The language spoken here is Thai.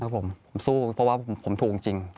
ผมสู้เพราะว่าผมถูกจริง